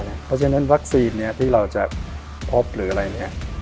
เพราะฉะนั้นวัคซีนที่เราจะพบหรืออะไรเนี่ย